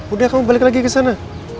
udah kamu balik lagi kesana